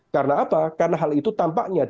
karena apa karena hal itu tampaknya